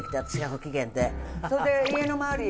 それで家の周り